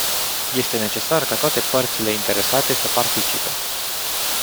Este necesar ca toate părțile interesate să participe.